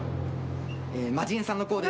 魔人さんのコーデ！